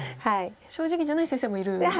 正直じゃない先生もいるんですね。